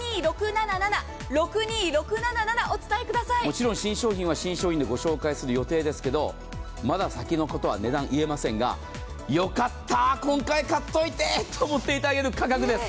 もちろん新商品は新商品でご紹介する予定ですけれども、まだ先のことは値段言えませんが、よかった、今回買っておいてと思っていただける価格です。